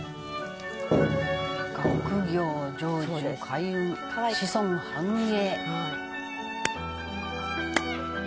「学業成就開運子孫繁栄」